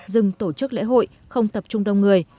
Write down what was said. dừng tổ chức lễ hội không tập trung đông người